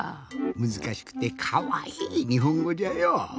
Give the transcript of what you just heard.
むずかしくてかわいいにほんごじゃよ。